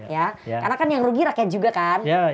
karena kan yang rugi rakyat juga kan